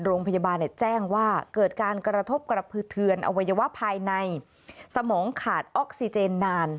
โรงพยาบาลแจ้งว่าเกิดการกระทบกระพือเทือนอวัยวะภายในสมองขาดออกซิเจนนาน